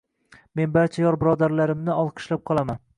Men barcha yor-birodarlarimni olqishlab qolaman